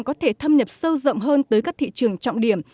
có thể thâm nhập sâu rộng hơn tới các thị trường trọng điểm